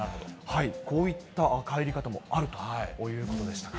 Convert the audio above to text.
こういった帰り方もあるということでしたが。